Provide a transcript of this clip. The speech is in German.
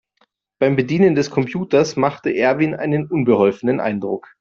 Beim Bedienen des Computers machte Erwin einen unbeholfenen Eindruck.